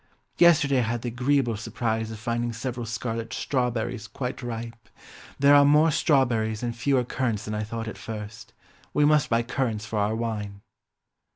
"Yesterday I had the agreeable surprise of finding several scarlet strawberries quite ripe. There are more strawberries and fewer currants than I thought at first. We must buy currants for our wine."